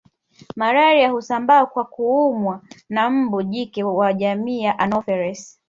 Malaria husambaa kwa kuumwa na mbu jike wa jamii ya anopheles